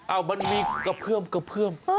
อ้าวมันมีกระเพื่อม